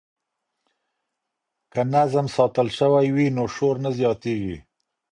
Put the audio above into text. که نظم ساتل سوی وي نو شور نه زیاتیږي.